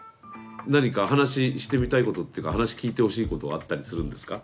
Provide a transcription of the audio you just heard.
何か話してみたいことっていうか話聞いてほしいことはあったりするんですか？